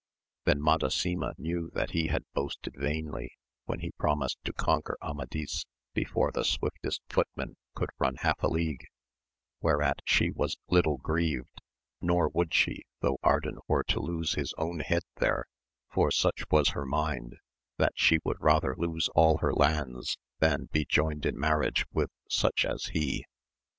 Then Madasima knew that he had boasted vainly when he promised to conquer Amadis before the swiftest footman could run half a league, whereat she was little grieved, nor would she though Ardan were to lose his own head there, for such was her mind, that she would rather lose all her lands than be joined in marriage with such as he.